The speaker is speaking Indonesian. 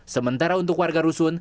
sementara untuk warga rusun